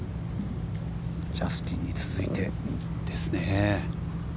ジャスティンに続いてですね。